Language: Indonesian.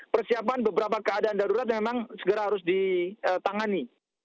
persiapan beberapa keadaan darurat memang segera harus ditangani